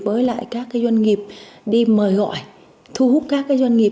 với lại các doanh nghiệp đi mời gọi thu hút các doanh nghiệp